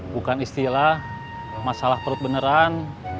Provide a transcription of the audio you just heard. bukan istilah masalah perut beneran